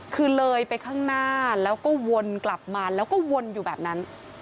คือเลยไปข้างหน้าแล้วก็วนกลับมาแล้วก็วนอยู่แบบนั้น